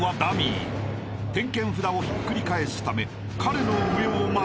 ［点検札をひっくり返すため］